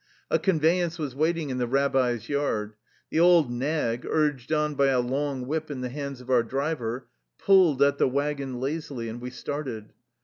A con veyance was waiting in the rabbi's yard. The old nag, urged on by a long whip in the hands of our driver, pulled at the wagon lazily, and we started.